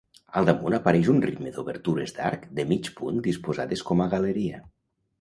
Al damunt apareix un ritme d'obertures d'arc de mig punt disposades com a galeria.